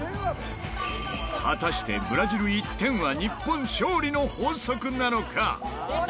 果たしてブラジル１点はニッポン勝利の法則なのか！？